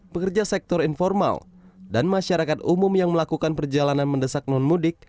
pekerja sektor informal dan masyarakat umum yang melakukan perjalanan mendesak non mudik